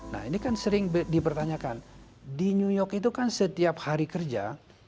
nah ini kan sering dipertanyakan di new york itu kan setiap hari kerja